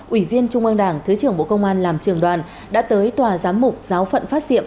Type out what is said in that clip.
ủy viên trung an đảng thứ trưởng bộ công an làm trường đoàn đã tới tòa giám mục giáo phận phát diệm